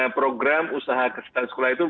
program usaha kesehatan sekolah itu